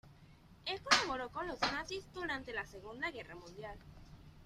Él colaboró con los nazis durante la Segunda Guerra Mundial.